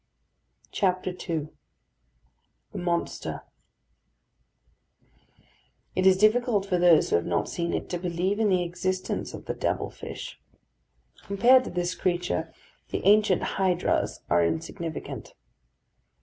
II THE MONSTER It is difficult for those who have not seen it to believe in the existence of the devil fish. Compared to this creature, the ancient hydras are insignificant.